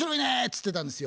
つってたんですよ。